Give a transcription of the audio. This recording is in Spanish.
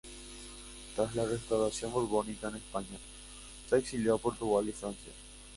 Tras la restauración borbónica en España se exilió a Portugal y Francia.